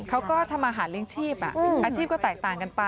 เขาก็ทำอาหารเลี้ยงชีพอาชีพก็แตกต่างกันไป